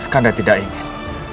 kanda tidak ingin